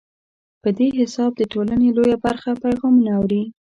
په دې حساب د ټولنې لویه برخه پیغامونه اوري.